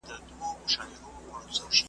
د بازانو له ځاليه `